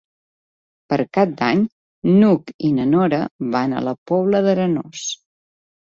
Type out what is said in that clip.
Per Cap d'Any n'Hug i na Nora van a la Pobla d'Arenós.